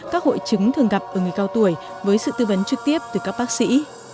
các hội chứng thường gặp ở người cao tuổi với sự tư vấn trực tiếp từ các bác sĩ